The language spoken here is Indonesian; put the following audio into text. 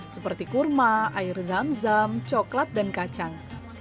seperti kurma air zam zam coklat dan kacang